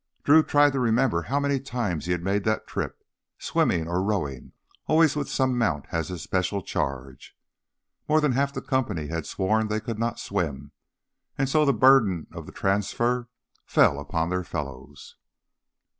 Drew tried to remember how many times he had made that trip, swimming or rowing, always with some mount as his special charge. More than half the company had sworn they could not swim, and so the burden of the transfer fell upon their fellows.